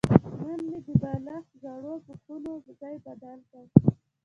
نن مې د بالښت زړو پوښونو ځای بدل کړ.